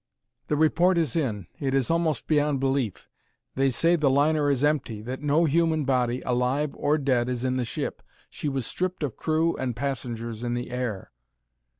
"The report is in; it is almost beyond belief. They say the liner is empty, that no human body, alive or dead, is in the ship. She was stripped of crew and passengers in the air.